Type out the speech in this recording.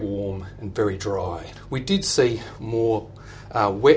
kami melihat kondisi panas yang lebih hangat